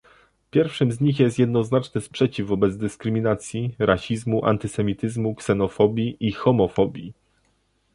Pierwszym z nich jest jednoznaczny sprzeciw wobec dyskryminacji, rasizmu, antysemityzmu, ksenofobii i homofobii